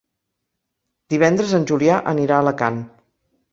Divendres en Julià anirà a Alacant.